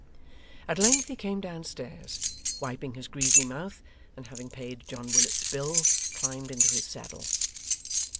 At length he came downstairs, wiping his greasy mouth, and having paid John Willet's bill, climbed into his saddle.